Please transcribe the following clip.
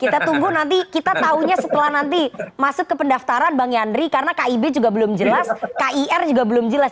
kita tunggu nanti kita tahunya setelah nanti masuk ke pendaftaran bang yandri karena kib juga belum jelas kir juga belum jelas